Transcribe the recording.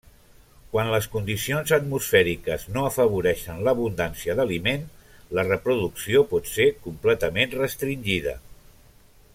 Quan les condicions atmosfèriques no afavoreixen l'abundància d'aliment, la reproducció pot ser completament restringida.